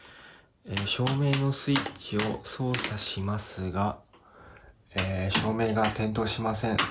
照明のスイッチを操作しますが照明が点灯しません。